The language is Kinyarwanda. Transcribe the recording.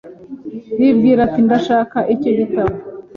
Yibwira ati: "Ndashaka icyo gitabo".